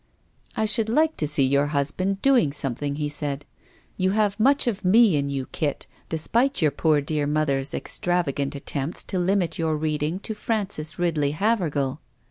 " I should like to see your husband doing something," he said. "You have much of me in you. Kit, despite your poor dear mother's extrav agant attempts to limit your reading to Frances Ridley Havergal.